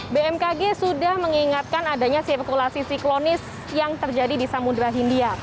bmkg sudah mengingatkan adanya sirkulasi siklonis yang terjadi di samudera hindia